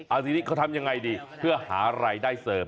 เอาทีนี้เขาทำยังไงดีเพื่อหารายได้เสริม